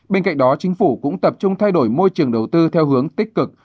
bên cạnh đó chính phủ cũng tập trung thay đổi môi trường đầu tư theo hướng tích cực